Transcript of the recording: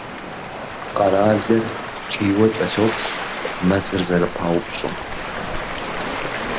Къэралыр ткӀийуэ кӀэлъоплъ мэзыр зэрыпаупщӀым.